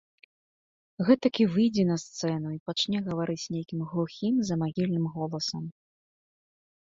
Гэтак і выйдзе на сцэну і пачне гаварыць нейкім глухім, замагільным голасам.